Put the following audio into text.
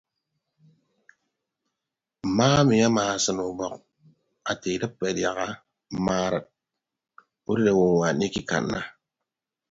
Mma emi amaasịn ubọk ate idịppe adiaha mma arịd udịd owoñwaan ikikanna.